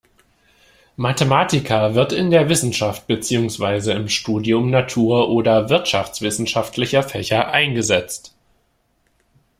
Mathematica wird in der Wissenschaft beziehungsweise im Studium natur- oder wirtschaftswissenschaftlicher Fächer eingesetzt.